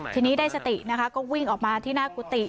ทีนี้ได้สตินะคะก็วิ่งออกมาที่หน้ากุฏิ